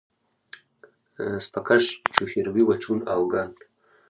سپه کش چو شیروي و چون آوگان